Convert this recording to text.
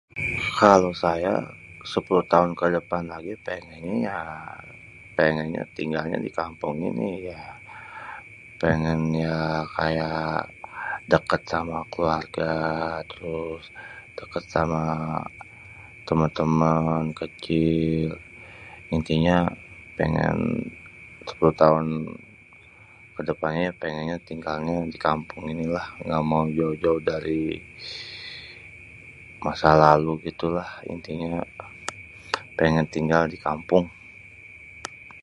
kalo saya sepuluh tahun kedepan lagi pengennyê ya tinggalnya dikampung ini ya pengèn ya kaya dêkêt sama keluarga trus dêkêt sama temên-temên kecil intinya pengèn sepuluh taon kedepan pengennyê tinggalnyê dikampung inilah gamau jauh-jauh dari masalalu itulah intinya pengèn tinggal dikampung.